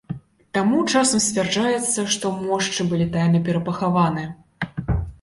Таму часам сцвярджаецца, што мошчы былі тайна перапахаваны.